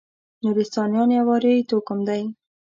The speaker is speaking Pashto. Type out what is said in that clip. نورستانیان یو اریایي توکم دی.